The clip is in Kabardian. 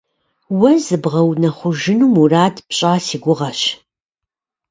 Уэ зыбгъэунэхъужыну мурад пщӏа си гугъэщ.